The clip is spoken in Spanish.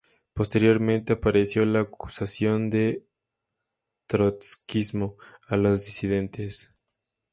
Posteriormente apareció la acusación de trotskismo a los disidentes.